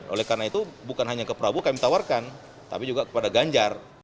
oleh karena itu bukan hanya ke prabowo kami tawarkan tapi juga kepada ganjar